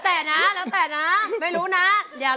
แล้วแต่นะไม่รู้นะ